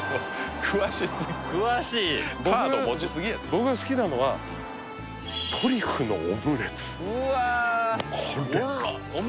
詳しい僕が好きなのはトリュフのオムレツうわ！